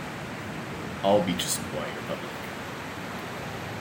All beaches in Hawaii are public.